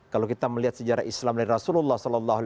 kalau kita melihat sejarah islam dari rasulullah saw